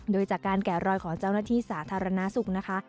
โดยจากการแกะรอยของเจ้าหน้าที่สาธารณสุขนะคะ